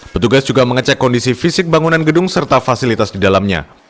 petugas juga mengecek kondisi fisik bangunan gedung serta fasilitas di dalamnya